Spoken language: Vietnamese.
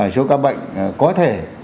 số ca bệnh có thể